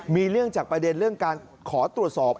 มีเรื่องจากประเด็นเรื่องการขอตรวจสอบ